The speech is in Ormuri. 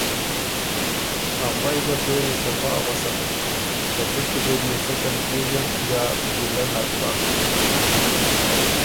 افئ ګۀ پېري صفا غؤسن که څُټکی دې بيې څۀ کنفیوژن یا ګیلۀ نک بَۀ۔